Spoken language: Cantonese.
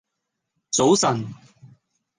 早晨